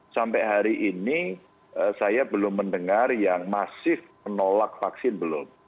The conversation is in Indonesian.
sampai hari ini saya belum mendengar yang masif menolak vaksin belum